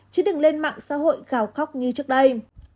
chứ đừng lên mạng xã hội gào khóc như trước đây